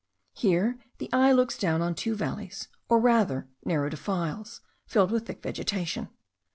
Here the eye looks down on two valleys, or rather narrow defiles, filled with thick vegetation.